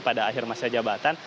pada akhir masa jabatan